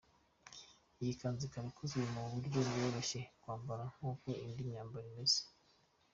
Iyi kanzu ikaba ikozwe mu buryo bworoshye kwambara nk’uko indi myambaro imeze.